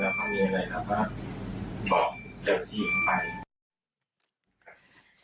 เขามีอะไรเราก็บอกเจ้าที่ไปครับ